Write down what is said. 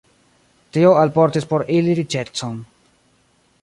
Tio alportis por ili riĉecon.